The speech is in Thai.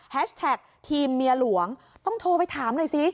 แท็กทีมเมียหลวงต้องโทรไปถามหน่อยสิ